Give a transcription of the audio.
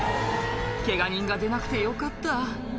ケガ人が出なくてよかった